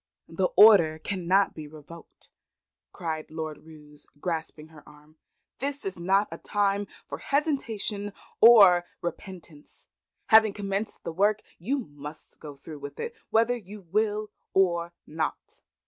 "The order cannot be revoked," cried Lord Roos, grasping her arm. "This is not a time for hesitation or repentance. Having commenced the work, you must go through with it whether you will or not."